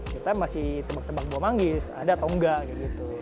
kita masih tebak tebak buah manggis ada atau enggak gitu